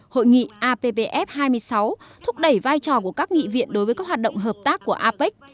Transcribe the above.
hội nghị appf hai mươi sáu thúc đẩy vai trò của các nghị viện đối với các hoạt động hợp tác của apec